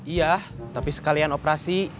iya tapi sekalian operasi